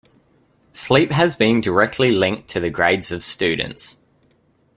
Sleep has been directly linked to the grades of students.